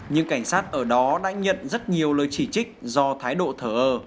nhưng cảnh sát ở đó đã nhận rất nhiều lời chỉ trích do thái độ thở ơ